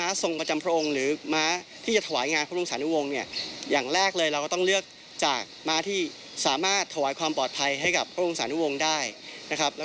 ม้าทรงประจำพระองค์เป็นม้าทรงประจำพระองค์สายพันธ์โฮลสไตเยอรมนี